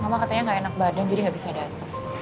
mama katanya gak enak badan jadi nggak bisa datang